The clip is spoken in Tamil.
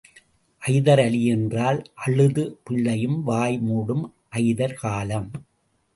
ஐதர் அலி என்றால் அழுத பிள்ளையும் வாய் மூடும் ஐதர் காலம்.